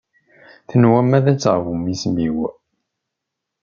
Tenwam ad teɣbum isem-iw.